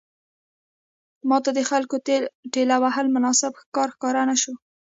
ماته د خلکو ټېل وهل مناسب کار ښکاره نه شو.